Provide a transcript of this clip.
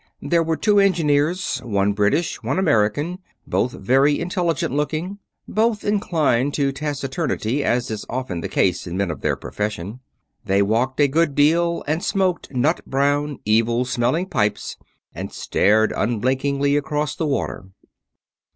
There were two engineers, one British, one American, both very intelligent looking, both inclined to taciturnity, as is often the case in men of their profession. They walked a good deal, and smoked nut brown, evil smelling pipes, and stared unblinkingly across the water.